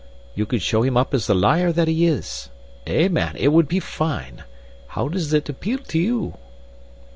You could show him up as the liar that he is! Eh, man, it would be fine. How does it appeal to you?"